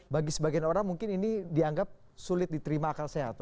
bagi sebagian orang mungkin ini dianggap sulit diterima akal sehat